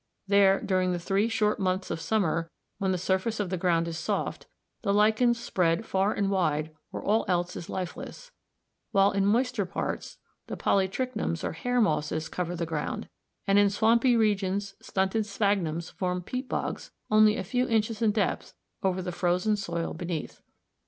There, during the three short months of summer, when the surface of the ground is soft, the lichens spread far and wide where all else is lifeless, while in moister parts the Polytrichums or hair mosses cover the ground, and in swampy regions stunted Sphagnums form peat bogs only a few inches in depth over the frozen soil beneath.